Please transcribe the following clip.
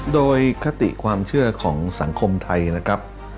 โดยคติความเชื่อของสังคมไทยนะครับ